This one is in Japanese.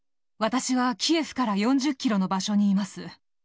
私はキエフから４０キロの場所にいます。